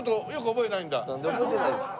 なんで覚えてないんですか？